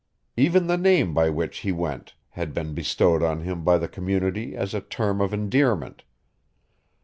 Even the name by which he went had been bestowed on him by the community as a term of endearment.